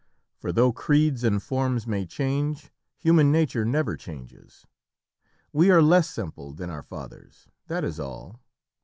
For though creeds and forms may change, human nature never changes. We are less simple than our fathers: that is all.